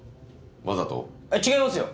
わざと？違いますよ！